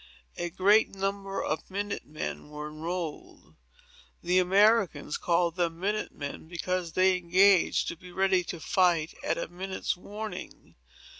A great number of minute men were enrolled. The Americans called them minute men, because they engaged to be ready to fight at a minute's warning.